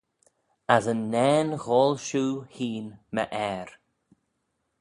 As yn nane ghoal shiu hene my Ayr.